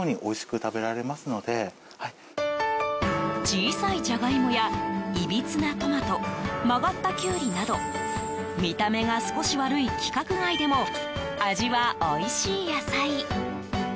小さいジャガイモやいびつなトマト曲がったキュウリなど見た目が少し悪い規格外でも味はおいしい野菜。